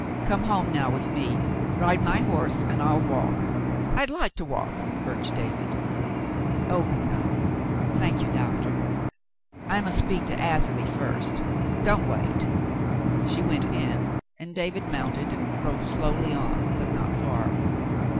"Come home now with me. Ride my horse, and I'll walk. I'd like to walk," urged David. "Oh, no. Thank you. Doctor, I must speak to Azalie first. Don't wait." She went in, and David mounted and rode slowly on, but not far.